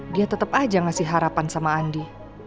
dia tetap aja ngasih harapan sama andi